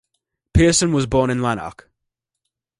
Pearson was born in Lanark.